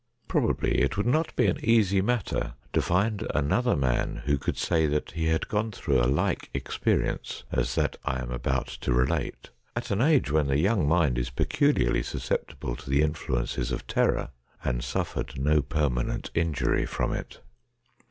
Probably it would not be an easy matter to find another man who could say that he had gone through a like experience as that I am about to relate, at an age when the young mind is peculiarly suscep tible to the influences of terror, and suffered no permanent injury from it.